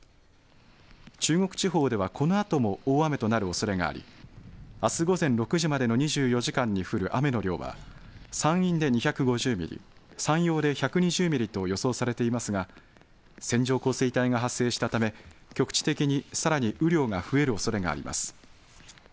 中国地方ではこのあとも大雨となるおそれがありあす午前６時までの２４時間に降る雨の量は山陰で２５０ミリ、山陽で１２０ミリと予想されていますが線状降水帯が発生したため局地的にさらに雨量が増えるおそれがあります。